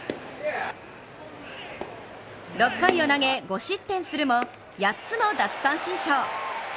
６回を投げ、５失点するも８つの奪三振ショー。